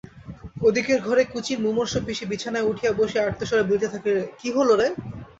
ওদিকের ঘরে কুঁচির মুমূর্ষ পিসি বিছানায় উঠিয়া বসিয়া আর্তস্বরে বলিতে থাকে কী হল রে?